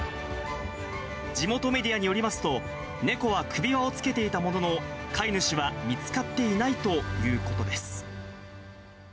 地元メディアによりますと、猫は首輪をつけていたものの、飼い主は見つかっていないということです。